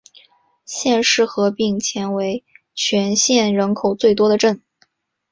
县市合并前为全县人口最多的镇。